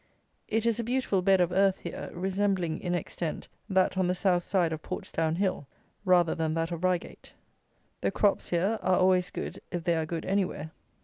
It is a beautiful bed of earth here, resembling in extent that on the south side of Portsdown Hill rather than that of Reigate. The crops here are always good if they are good anywhere.